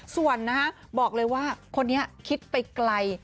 ส่วนนะฮะบอกเลยว่าคนนี้คิดไปไกล